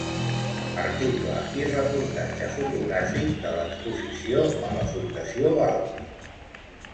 Article i reportatge fotogràfic de l'exposició a la Fundació Valvi.